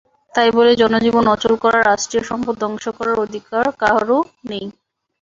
তাই বলে জনজীবন অচল করা, রাষ্ট্রীয় সম্পদ ধ্বংস করার অধিকার কারও নেই।